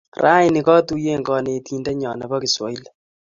raini, katuiye konetindenyo nebo kiswahili